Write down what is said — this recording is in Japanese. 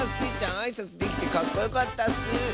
あいさつできてかっこよかったッス！